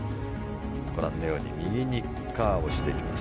ご覧のように右にカーブをしていきます。